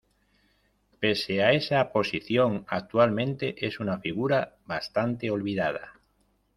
Pese a esa posición, actualmente es una figura bastante olvidada.